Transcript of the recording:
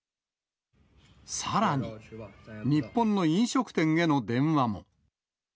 さらに、日本の飲食店への電話も。